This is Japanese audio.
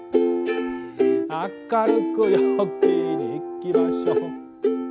「明るく陽気にいきましょう」